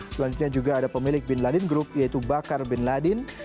selanjutnya juga ada pemilik bin laden group yaitu bakar bin ladin